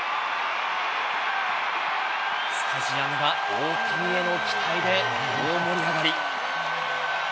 スタジアムが大谷への期待で大盛り上がり。